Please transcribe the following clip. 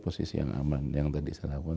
posisi yang aman yang tadi saya lakukan